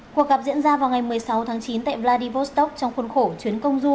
cuộc gặp diễn ra vào ngày một mươi sáu tháng chín tại vladivostok trong khuôn khổ chuyến công du